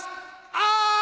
あ！